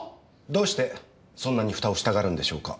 どうしてそんなにふたをしたがるんでしょうか？